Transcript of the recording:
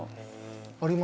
ありますか？